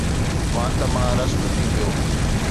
وات مان رس ٽٽي پيو